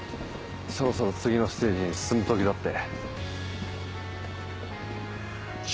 そろそろ次のステージに進む時だって。